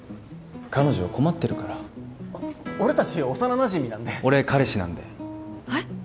彼女困ってるから俺達幼なじみなんで俺彼氏なんではい？